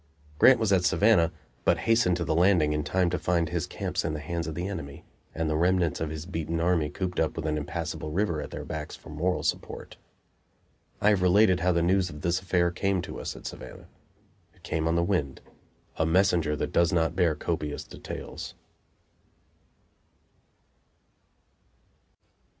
Grant was at Savannah, but hastened to the Landing in time to find his camps in the hands of the enemy and the remnants of his beaten army cooped up with an impassable river at their backs for moral support. I have related how the news of this affair came to us at Savannah. It came on the wind a messenger that does not bear copious details.